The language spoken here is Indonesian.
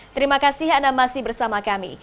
terima kasih anda masih bersama kami